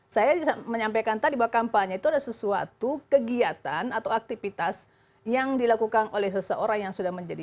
saya menyampaikan tadi bahwa kampanye itu adalah sesuatu kegiatan atau aktivitas yang dilakukan oleh seseorang yang sudah menjadi